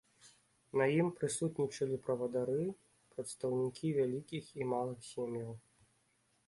На ім прысутнічалі правадыры, прадстаўнікі вялікіх і малых сем'яў.